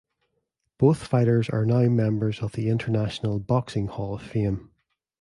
Both fighters are now members of the International Boxing Hall of Fame.